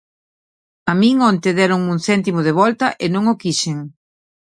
A min onte déronme un céntimo de volta e non o quixen.